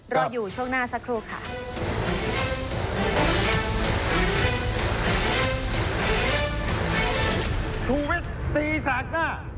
รออยู่ช่วงหน้าสักครู่ค่ะ